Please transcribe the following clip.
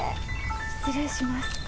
失礼します。